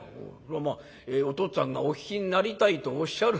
「まあお父っつぁんがお聞きになりたいとおっしゃる。